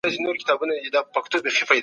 د مذهبي آزادۍ حق هر چا ته محفوظ دی.